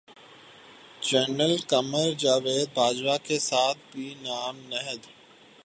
general Qamar Javed Bajwa کے ساتھ بھی نام نہاد